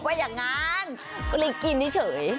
ก็อย่างงั้นก็เลยกินนี่เฉย